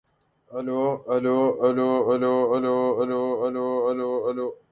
Individuals appointed could not be officers or employees of the federal government.